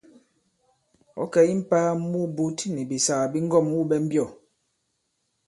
Ɔ̌ kɛ̀ i mpāa mu wubǔt nì bìsàgà bi ŋgɔ᷇m wû ɓɛ mbyɔ̂?